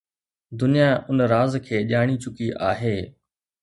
دنيا ان راز کي ڄاڻي چڪي آهي.